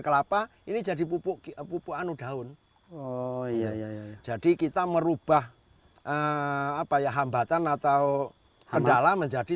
kelapa ini jadi pupuk pupuk anu daun oh iya iya jadi kita merubah apa ya hambatan atau kendala menjadi